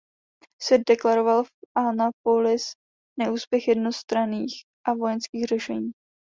Svět deklaroval v Anapolis neúspěch jednostranných a vojenských řešení.